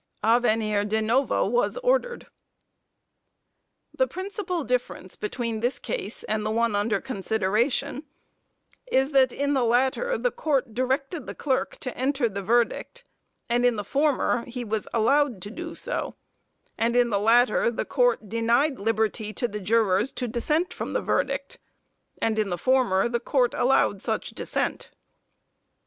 A venire de novo was ordered. The principal difference between this case and the one under consideration is, that in the latter the Court directed the clerk to enter the verdict, and in the former he was allowed to do so, and in the latter the Court denied liberty to the jurors to dissent from the verdict, and in the former the Court allowed such dissent.